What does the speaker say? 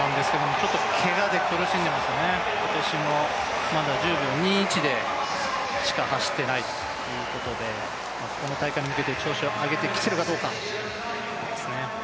けがで苦しんでますね、今年もまだ１０秒２１でしか走っていないということでこの大会に向けて調子を上げてきているかどうかですね。